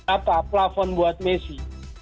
apa plafon buat messi